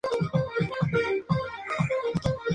Styles y Christopher Daniels hasta Bryan Danielson.